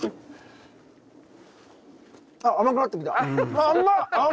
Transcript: あっ甘くなってきた。